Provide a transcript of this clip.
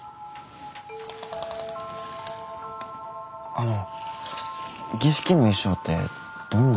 あの儀式の衣装ってどんな。